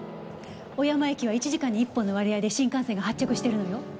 小山駅は１時間に１本の割合で新幹線が発着してるのよ。